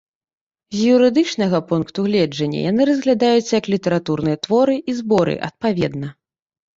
З юрыдычнага пункту гледжання яны разглядаюцца як літаратурныя творы і зборы, адпаведна.